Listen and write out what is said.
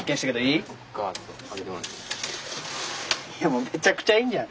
いやもうめちゃくちゃいんじゃん。